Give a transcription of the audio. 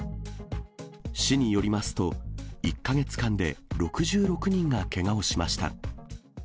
市によりますと、１か月間で６６人がけがをしました。